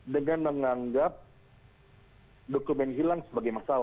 dengan menganggap dokumen hilang sebagai masalah